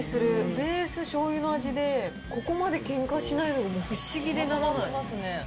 ベース、しょうゆの味で、ここまでけんかしないのがもう不思議でならない。